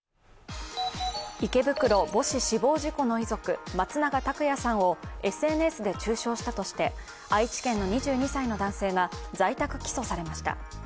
池袋母子死亡事故の遺族、松永拓也さんを、ＳＮＳで中傷したとして愛知県の２２歳の男性が在宅起訴されました。